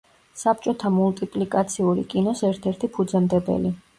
საბჭოთა მულტიპლიკაციური კინოს ერთ-ერთი ფუძემდებელი.